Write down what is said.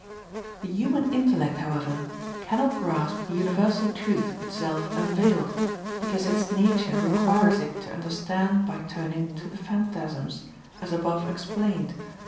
The human intellect, however, cannot grasp the universal truth itself unveiled; because its nature requires it to understand by turning to the phantasms, as above explained (Q.